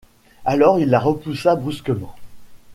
Alors il la repoussa brusquement.